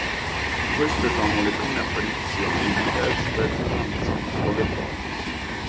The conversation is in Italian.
Queste sono le prime apparizioni di Elspeth Hanson con le Bond.